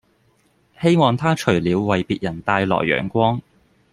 希望他除了為別人帶來陽光